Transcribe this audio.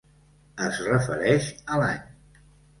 Es refereix a l'any.